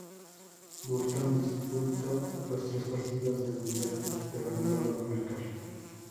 Burton disputó los tres partidos del Mundial, pero no logró marcar.